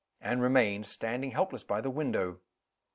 Anne remained, standing helpless by the window.